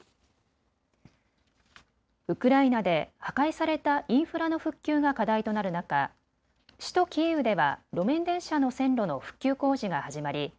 ウクライナで破壊されたインフラの復旧が課題となる中、首都キーウでは路面電車の線路の復旧工事が始まり